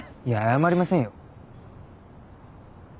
いや謝りませんよ。